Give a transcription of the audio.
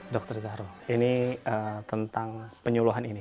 dokter zahro ini tentang penyuluhan ini